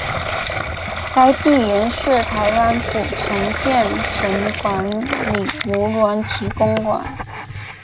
该地原是台湾府城建城总理吴鸾旗公馆。